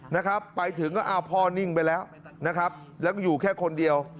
นะครับไปถึงก็อ้าวพ่อนิ่งไปแล้วนะครับแล้วก็อยู่แค่คนเดียว